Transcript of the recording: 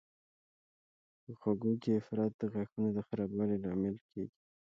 په خوږو کې افراط د غاښونو د خرابوالي لامل کېږي.